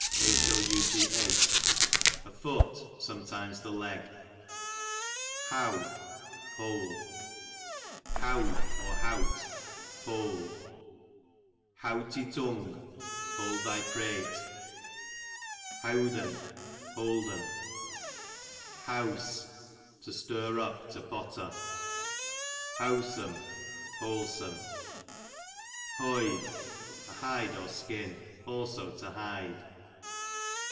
Hough, a foot, sometimes the leg. How, whole. Howd, ^[ hold. Howt, j Howd te tung, hold thy prate. Howd'n, holden. Howse, to stir up, to potter. Howsome, wholesome. Hoyde, a hide or shin ; also to hide.